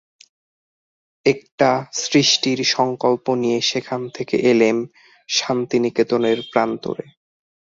একটা সৃষ্টির সংকল্প নিয়ে সেখান থেকে এলেম শান্তিনিকেতনের প্রান্তরে।